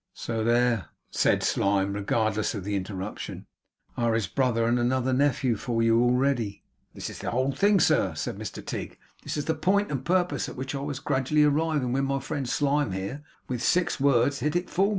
'So there,' said Slyme, regardless of the interruption, 'are his brother and another nephew for you, already.' 'This is the whole thing, sir,' said Mr Tigg; 'this is the point and purpose at which I was gradually arriving when my friend Slyme here, with six words, hit it full.